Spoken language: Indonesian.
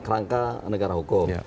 kerangka negara hukum